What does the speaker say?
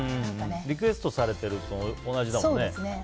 リクエストされてるのと同じだもんね。